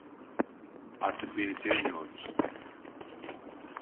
Artık beni sevmiyor musun?